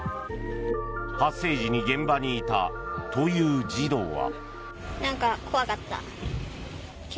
発生時に現場にいたという児童は。